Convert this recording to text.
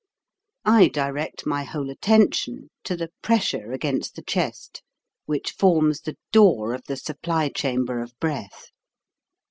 I direct my whole attention to the pressure against the chest, which forms the door of the supply chamber of breath.